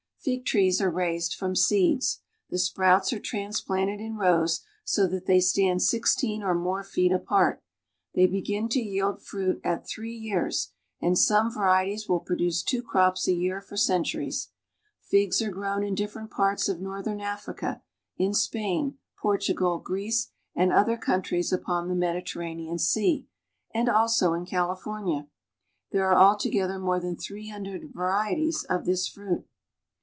Fig trees are raised from seeds. The sprouts are trans planted in rows so that they stand sixteen or more feet apart. They begin to yield fruit at three years, and some varieties will produce two crops a year for centuries. Figs are grown in different parts of northern Africa, in Spain, Portugal, Greece, and other countries upon the Mediter ranean Sea, and also in California. There are all together more than three hundred varieties of this fruit.